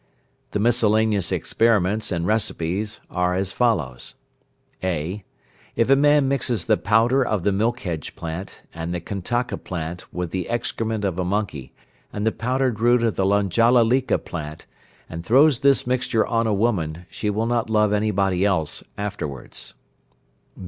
The miscellaneous experiments and recipes are as follows: (a). If a man mixes the powder of the milk hedge plant, and the kantaka plant with the excrement of a monkey, and the powdered root of the lanjalalika plant, and throws this mixture on a woman, she will not love any body else afterwards.